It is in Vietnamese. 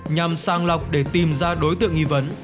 nhằm sang lọc để tìm ra đối tượng nghi vấn